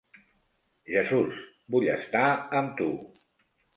Jesús, vull estar amb tu.